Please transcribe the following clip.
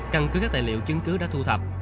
căn cứ các tài liệu chứng cứ đã thu thập